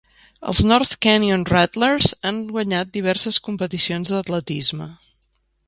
Els North Canyon Rattlers han guanyat diverses competicions d'atletisme.